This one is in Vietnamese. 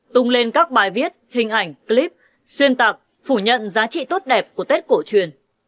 tung lên các bài viết hình ảnh clip xuyên tạc phủ nhận giá trị tốt đẹp của tết cổ truyền